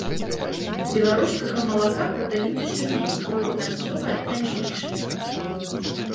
Беларускага малака прадаюць усё меней, бо мясцовае таннейшае.